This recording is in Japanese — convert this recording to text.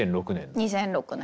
２００６年。